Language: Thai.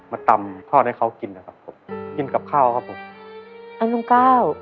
มาตำทอดให้เขากินนะครับผมกินกับข้าวครับผมไอ้ลุงก้าว